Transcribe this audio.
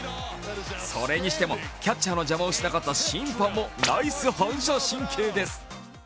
それにしてもキャッチャーの邪魔をしなかった審判もナイス反射神経です。